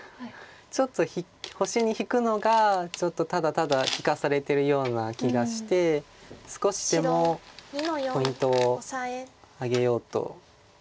ちょっと星に引くのがちょっとただただ引かされてるような気がして少しでもポイントを挙げようと。